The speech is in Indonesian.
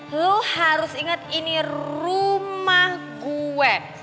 lo harus inget ini rumah gue